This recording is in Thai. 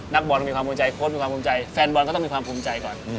นักบอลต้องมีความภูมิใจโค้ดมีความภูมิใจแฟนบอลก็ต้องมีความภูมิใจก่อน